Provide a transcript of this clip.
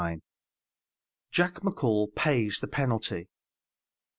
2, 1876." JACK McCALL PAYS THE PENALTY.